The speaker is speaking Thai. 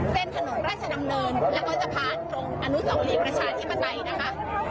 เส้นถนนรัฐดำเนินแล้วบอกจะผ่านตรงอนุสาวกรีประชาที่มาใดนะคะ